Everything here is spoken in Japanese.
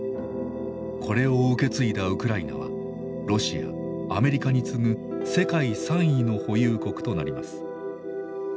これを受け継いだウクライナはロシアアメリカに継ぐ世界３位の保有国となります。